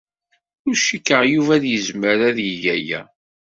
Ur cikkeɣ Yuba ad yezmer ad yeg aya.